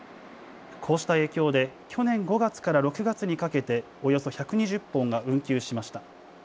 こうした影響で去年５月から６月にかけておよそ１２０本が運休しました。